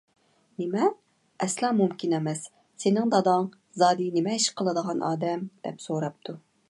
— نېمە؟ ئەسلا مۇمكىن ئەمەس، سېنىڭ داداڭ زادى نېمە ئىش قىلىدىغان ئادەم؟ — دەپ سوراپتۇ.